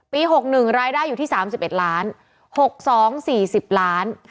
๖๑รายได้อยู่ที่๓๑ล้าน๖๒๔๐ล้าน